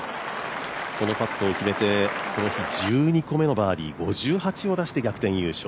このパットを決めてこの日１２個目のバーディー５８を出して逆転優勝